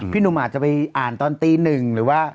หนุ่มอาจจะไปอ่านตอนตีหนึ่งหรือว่า